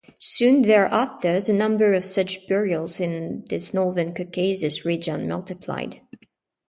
Soon thereafter the number of such burials in this Northern Caucasus region multiplied.